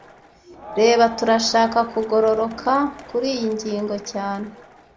Reba, turashaka kugororoka kuriyi ngingo cyane